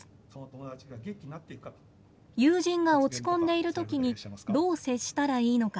友人が落ち込んでいる時にどう接したらいいのか。